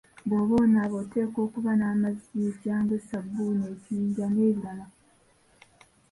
Bw'oba onaaba oteekwa okuba n'amazzi, ekyangwe, ssabbuni, ekiyinja n'ebirala.